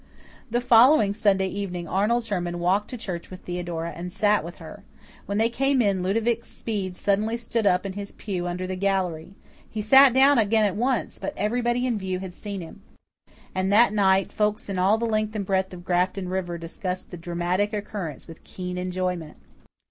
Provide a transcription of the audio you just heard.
The following Sunday evening Arnold Sherman walked to church with Theodora, and sat with her. When they came in Ludovic Speed suddenly stood up in his pew under the gallery. He sat down again at once, but everybody in view had seen him, and that night folks in all the length and breadth of Grafton River discussed the dramatic occurrence with keen enjoyment.